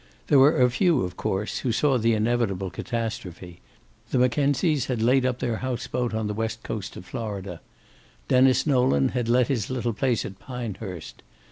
There were a few, of course, who saw the inevitable catastrophe: the Mackenzies had laid up their house boat on the west coast of Florida. Denis Nolan had let his little place at Pinehurst.